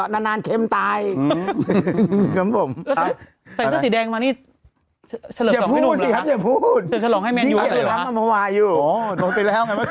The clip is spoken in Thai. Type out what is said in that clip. โอ้โฮน้องไปแล้วไงเมื่อที